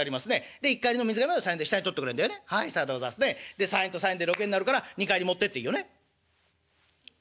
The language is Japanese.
「で３円と３円で６円になるから二荷入り持ってっていいよね？」。